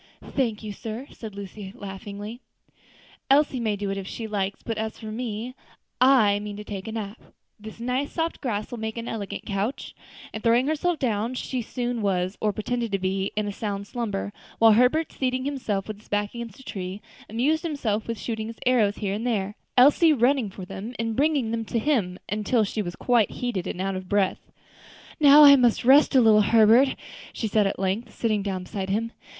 "Thank you, sir," said Lucy, laughing; "Elsie may do it if she likes, but as for me, I mean to take a nap; this nice, soft grass will make an elegant couch;" and throwing herself down, she soon was, or pretended to be, in a sound slumber; while Herbert, seating himself with his back against a tree, amused himself with shooting his arrows here and there, Elsie running for them and bringing them to him, until she was quite heated and out of breath. "Now I must rest a little, Herbert," she said at length, sitting down beside him.